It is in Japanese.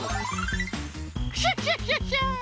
クシャシャシャシャ！